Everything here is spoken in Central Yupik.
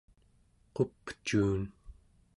qupcuun